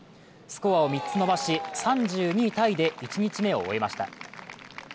スコアを３つ伸ばし、３２位タイで１日目を終えました。